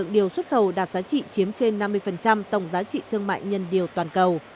điều này không nghĩa là chúng ta sẽ dừng lại hoàn toàn